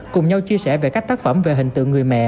cùng nhau chia sẻ về các tác phẩm về hình tượng người mẹ